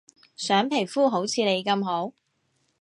想皮膚好似你咁好